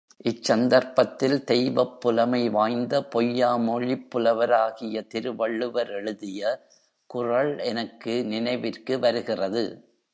இச்சந்தர்ப்பத்தில் தெய்வப் புலமை வாய்ந்த பொய்யாமொழிப் புலவராகிய திருவள்ளுவர் எழுதிய குறள் எனக்கு நினைவிற்கு வருகிறது.